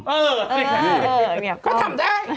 เออเออเออไม่ทำได้